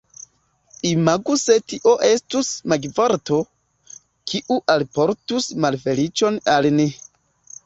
Imagu se tio estus magivorto, kiu alportus malfeliĉon al ni.